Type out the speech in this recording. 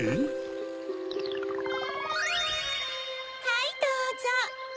はいどうぞ。